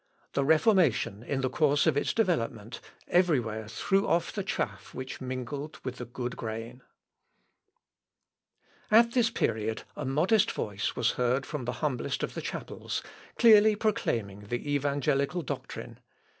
The Reformation, in the course of its development, every where threw off the chaff which mingled with the good grain. [Sidenote: ZUINGLIUS AGAINST FOREIGN SERVICE.] At this period a modest voice was heard from the humblest of the chapels, clearly proclaiming the evangelical doctrine.